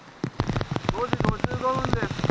５時５５分です。